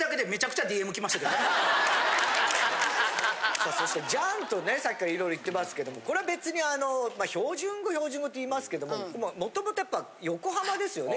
さあそして「じゃん」とねさっきから色々言ってますけどこれは別にあの標準語標準語って言いますけどももともとやっぱ横浜ですよね？